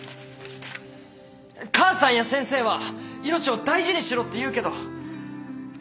母さんや先生は命を大事にしろって言うけど。